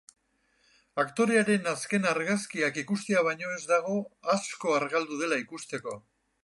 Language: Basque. Aktorearen azken argazkiak ikustea baino ez dago asko argaldu dela ikusteko.